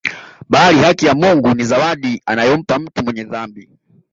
Bali haki ya Mungu ni zawadi anayompa mtu mwenye dhambi